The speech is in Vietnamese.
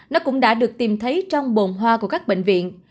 nó cũng đã được tìm thấy trong bồn hoa của các bệnh viện